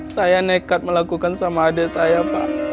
saya nekat melakukan sama adik saya pak